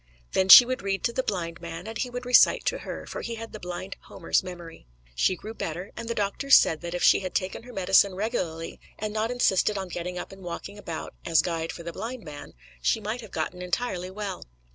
Then she would read to the blind man and he would recite to her, for he had the blind Homer's memory. She grew better, and the doctors said that if she had taken her medicine regularly, and not insisted on getting up and walking about as guide for the blind man, she might have gotten entirely well.